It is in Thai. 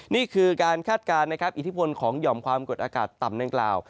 นี่คือการคาดการณ์อิทธิพลของยอมความกดอากาศต่ำในกล่าว